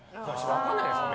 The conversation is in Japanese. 分からないですよね。